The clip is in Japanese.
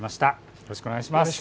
よろしくお願いします。